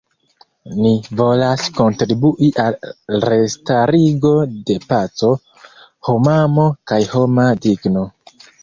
Ni volas kontribui al restarigo de paco, homamo kaj homa digno.